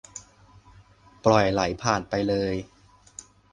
ปล่อยไหลผ่านไปเลย